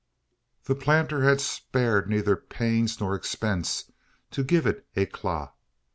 The planter had spared neither pains nor expense to give it eclat.